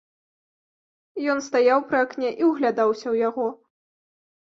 Ён стаяў пры акне і ўглядаўся ў яго.